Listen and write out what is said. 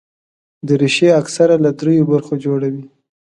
دریشي اکثره له درېو برخو جوړه وي.